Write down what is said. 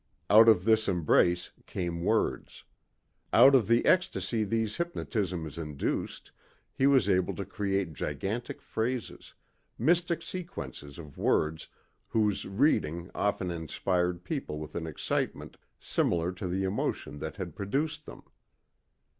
Out of this embrace came words. Out of the ecstacy these hypnotisms induced, he was able to create gigantic phrases, mystic sequences of words whose reading often inspired people with an excitement similar to the emotion that had produced them.